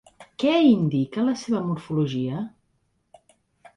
Què indica la seva morfologia?